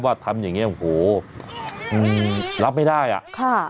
ทำอย่างเงี้โอ้โหอืมรับไม่ได้อ่ะค่ะ